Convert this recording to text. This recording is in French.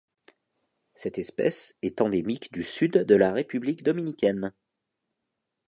Cette espèce est endémique du Sud de la République dominicaine.